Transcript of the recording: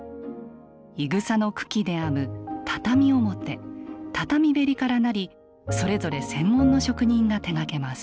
いぐさの茎で編む「畳表」「畳縁」からなりそれぞれ専門の職人が手がけます。